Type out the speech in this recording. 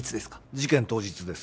事件当日です